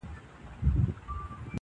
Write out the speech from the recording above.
ستا د زهرې پلوشې وتخنوم-